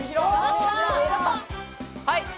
はい！